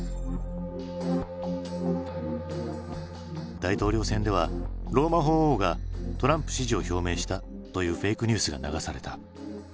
大統領選ではローマ法王がトランプ支持を表明したというフェイクニュースが流された。